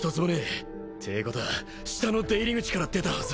てえことは下の出入り口から出たはず。